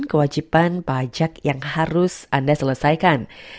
kewajiban pajak yang harus anda selesaikan